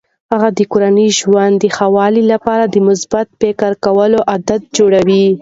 هغه د کورني ژوند د ښه والي لپاره د مثبت فکر کولو عادات جوړوي.